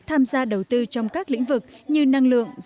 tham gia đầu tư trong các lĩnh vực như năng lượng